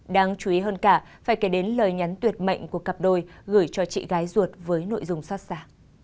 đáng chú ý hơn cả phải kể đến lời nhắn tuyệt mệnh của cặp đôi gửi cho chị gái ruột với nội dung xót xa